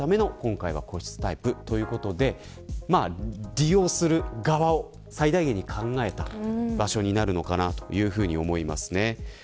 利用する側を最大限考えた場所になっていると思います。